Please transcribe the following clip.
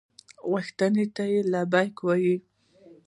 غوښتنو ته یې لبیک وویل.